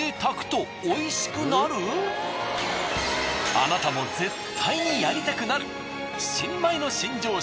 あなたも絶対にやりたくなる。